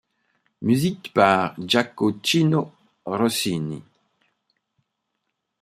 Musique par Gioachino Rossini.